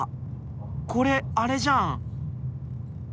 これあれじゃん！